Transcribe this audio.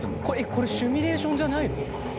これシミュレーションじゃないの？